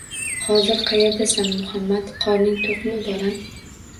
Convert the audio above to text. Hozir qayerdasan Muhammad... Qorning to‘qmi bolam...